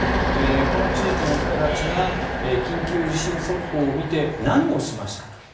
この地域の人たちが緊急地震速報を見て何をしましたか。